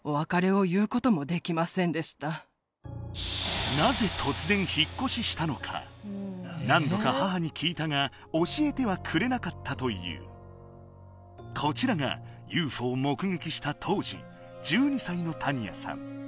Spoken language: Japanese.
さらになぜ突然引っ越ししたのか何度か母に聞いたが教えてはくれなかったというこちらがＵＦＯを目撃した当時１２歳のタニアさん